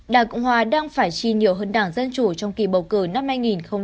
đảng cộng hòa đang phải chi nhiều hơn đảng dân chủ trong kỳ bầu cử năm hai nghìn một mươi sáu